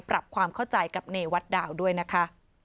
ปรับความเข้าใจกับเนวัดดาวด้วยนะคะ